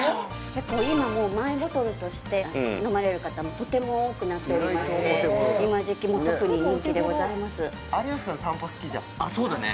結構今もうマイボトルとして飲まれる方もとても多くなっておりまして今時期もう特に人気でございますあそうだね